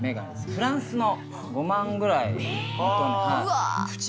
フランスの５万ぐらい、元値。